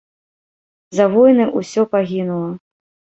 За войны ўсё пагінула.